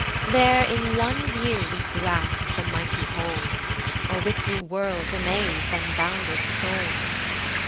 There in one view we grasp the mighty whole, Or with new worlds amaze th' unbounded soul.